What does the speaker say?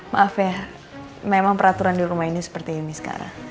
maaf ya memang peraturan di rumah ini seperti ini sekarang